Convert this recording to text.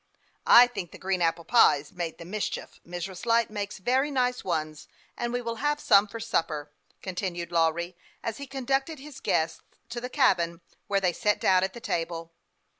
" I think the green apple pies made the mischief. Mrs. Light makes very nice ones, and we will have some for supper," continued Lawry, as he conducted his guests to the cabin, where they sat down at the table.